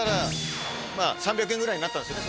３００円ぐらいになったんですよね